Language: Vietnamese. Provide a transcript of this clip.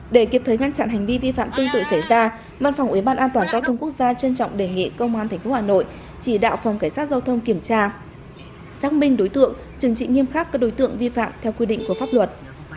để kịp thời ngăn chặn hành vi vi phạm tương tự xảy ra văn phòng ủy ban an toàn giao thông quốc gia trân trọng đề nghị công an tp hà nội chỉ đạo phòng cảnh sát giao thông kiểm tra xác minh đối tượng trừng trị nghiêm khắc các đối tượng vi phạm theo quy định của pháp luật